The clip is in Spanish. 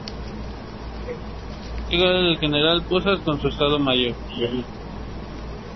Llega el general Pozas con su Estado Mayor.